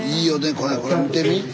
これこれ見てみ。